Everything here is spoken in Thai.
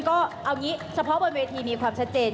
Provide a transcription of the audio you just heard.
ก็เอางี้เฉพาะบนเวทีมีความชัดเจน